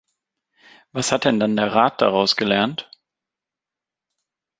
Was hat denn dann der Rat daraus gelernt?